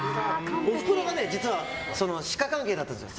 おふくろが、実は歯科関係だったんですよ。